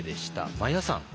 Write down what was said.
真矢さん